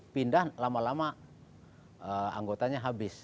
pindah lama lama anggotanya habis